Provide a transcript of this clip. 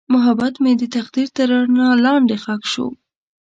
محبت مې د تقدیر تر رڼا لاندې ښخ شو.